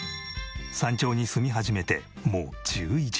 山頂に住み始めてもう１１年。